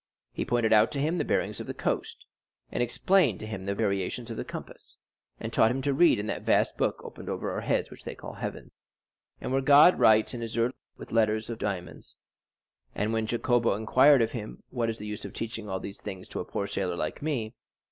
He pointed out to him the bearings of the coast, explained to him the variations of the compass, and taught him to read in that vast book opened over our heads which they call heaven, and where God writes in azure with letters of diamonds. And when Jacopo inquired of him, "What is the use of teaching all these things to a poor sailor like me?"